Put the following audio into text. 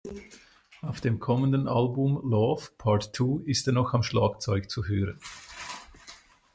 Auf dem kommenden Album "Love: Part Two" ist er noch am Schlagzeug zu hören.